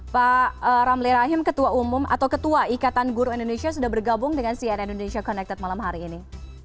pak ramli rahim ketua umum atau ketua ikatan guru indonesia sudah bergabung dengan cnn indonesia connected malam hari ini